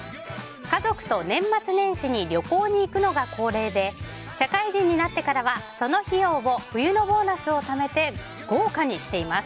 家族と年末年始に旅行に行くのが恒例で社会人になってからはその費用を冬のボーナスをためて豪華にしています。